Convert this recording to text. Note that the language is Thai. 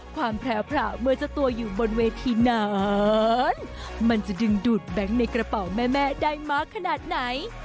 ความแพ้พระเมื่อเจ้าตัวอยู่บนเวทีนั้นมันจะดึงดูดแบงค์ในกระเป๋าแม่ได้มากขนาดไหน